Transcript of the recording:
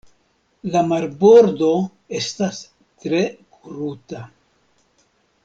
La marbordo estas tre kruta.